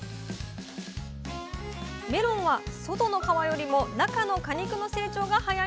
メロンは外の皮よりも中の果肉の成長が早いんです。